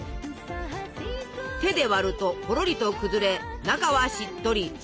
手で割るとほろりと崩れ中はしっとり。